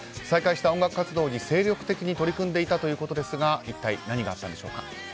再開した音楽活動に精力的に取り組んでいたということですが一体、何があったんでしょうか。